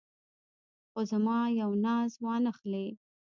خو زما یو ناز وانه خلې.